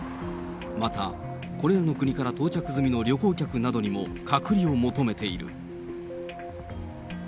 また、これらの国から到着済みの旅行客などにも隔離を求めている。